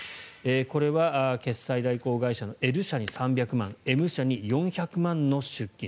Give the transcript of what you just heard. これは決済代行会社のＬ社に３００万Ｍ社に４００万円の出金。